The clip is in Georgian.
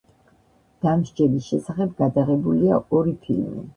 დამსჯელის შესახებ გადაღებულია ორი ფილმი.